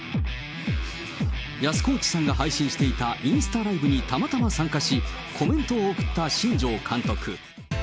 安河内さんが配信していたインスタライブにたまたま参加し、コメントを送った新庄監督。